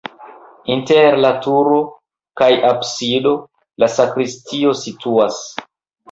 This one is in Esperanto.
Inter la turo kaj absido la sakristio situas.